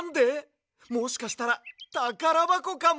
もしかしたらたからばこかも！